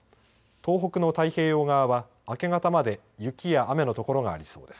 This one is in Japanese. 東北の太平洋側は明け方まで雪や雨の所がありそうです。